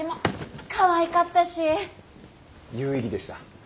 有意義でした。